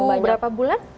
ini baru berapa bulan